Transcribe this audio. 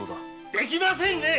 できませんね！